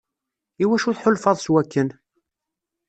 Iwacu tḥulfaḍ s wakken?